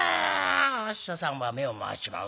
お師匠さんは目を回しちまう。